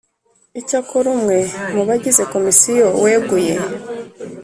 Icyakora umwe mu bagize Komisiyo weguye